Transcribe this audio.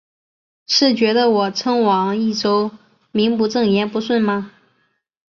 是觉得我称王益州名不正言不顺吗？